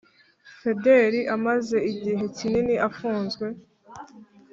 fideli amaze igihe kinini afunzwe